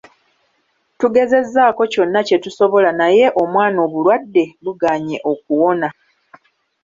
Tugezezzaako kyonna kye tusobola naye omwana obulwadde bugaanye okuwona.